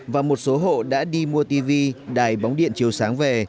và một số hộ đã đi mua tv đài bóng điện chiều sáng về